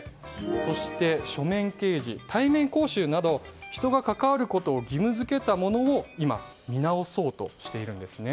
そして書面掲示、対面講習など人が関わることを義務付けたものを今、見直そうとしているんです。